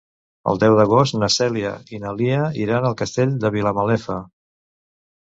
El deu d'agost na Cèlia i na Lia iran al Castell de Vilamalefa.